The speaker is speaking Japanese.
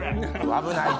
危ないて！